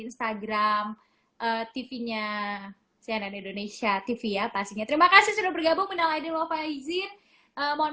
instagram tv nya cnn indonesia tv ya pastinya terima kasih sudah bergabung dengan id lova izin mohon